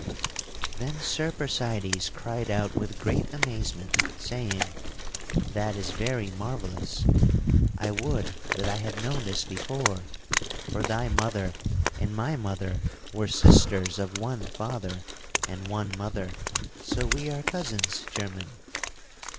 Then Sir Percydes cried out with great amazement, saying: "That is very marvellous! I would that I had known this before, for thy mother and my mother were sisters of one father and one mother. So we are cousins german."